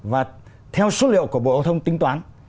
và theo số liệu của bộ âu thông tính toán